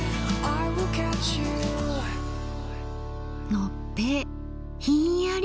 のっぺいひんやり。